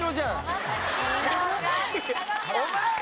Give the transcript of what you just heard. お前！